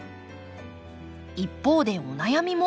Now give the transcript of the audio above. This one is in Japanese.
一方でお悩みも。